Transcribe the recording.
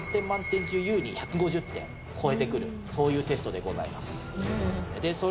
そういうテストでございます